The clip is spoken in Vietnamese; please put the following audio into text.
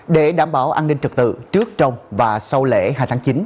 để đảm bảo an ninh trật tự trước trong và sau lễ hai tháng chín